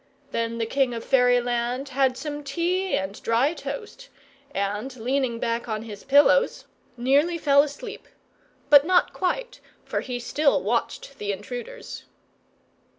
Then the king of Fairyland had some tea and dry toast, and leaning back on his pillows, nearly fell asleep; but not quite, for he still watched the intruders.